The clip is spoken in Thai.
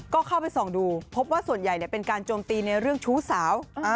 ก็เข้าไปส่องดูพบว่าส่วนใหญ่เป็นการโจมตีในเรื่องชู้สาว